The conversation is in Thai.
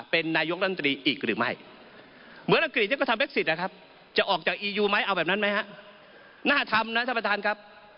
ไปเลือกรัฐมนตรีโทชา